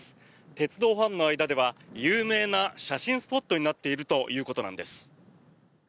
鉄道ファンの間では有名な写真スポットになっているということなんです。